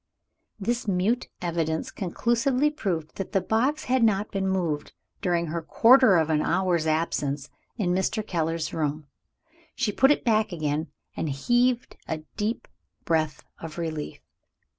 This mute evidence conclusively proved that the box had not been moved during her quarter of an hour's absence in Mr. Keller's room. She put it back again, and heaved a deep breath of relief.